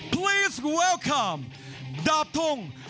ขอบคุณครับดาบทุ่ง